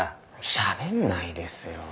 しゃべんないですよ。